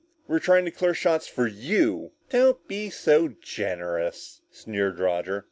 "We're trying to clear shots for you!" "Don't be so generous," sneered Roger.